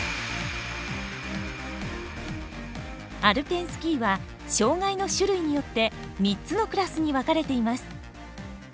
アルペンスキーは障がいの種類によって３つのクラスに分かれています。